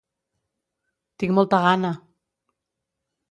Tinc molta gana.